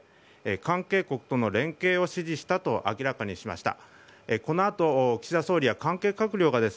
関係国との連携を指示したと明らかにしました。